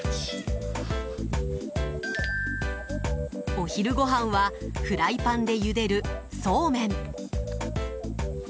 お昼ごはんはフライパンでゆでるそうめん。